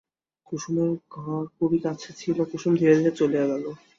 কুসুমের ঘর খুব কাছেই ছিল, কুসুম ধীরে ধীরে চলিয়া গেল।